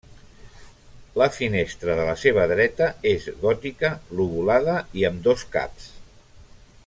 La finestra de la seva dreta és gòtica, lobulada i amb dos caps.